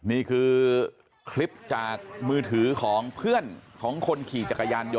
นี่คือคลิปจากมือถือของเพื่อนของคนขี่จักรยานยนต